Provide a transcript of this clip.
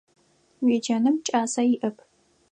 Уеджэным кӏасэ иӏэп.